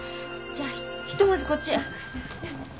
じゃあひとまずこっちへ。